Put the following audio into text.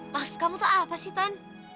maksud kamu tuh apa sih ton